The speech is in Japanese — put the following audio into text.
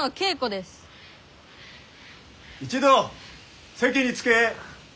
一同席に着け。